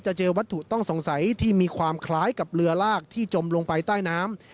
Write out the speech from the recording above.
เจอวัตถุต้องสงสัยที่มีความคล้ายกับเรือลากที่จมลงไปใต้น้ำ